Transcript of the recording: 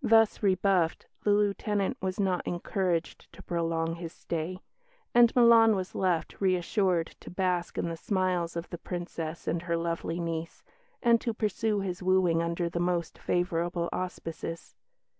Thus rebuffed, the Lieutenant was not encouraged to prolong his stay; and Milan was left, reassured, to bask in the smiles of the Princess and her lovely niece, and to pursue his wooing under the most favourable auspices.